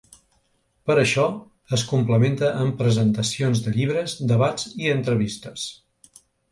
Per això es complementa amb presentacions de llibres, debats i entrevistes.